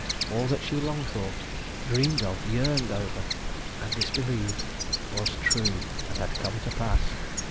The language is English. All that she longed for, dreamed of, yearned over—and disbelieved—was true and had come to pass.